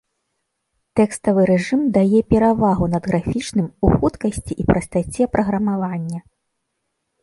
Тэкставы рэжым дае перавагу над графічным у хуткасці і прастаце праграмавання.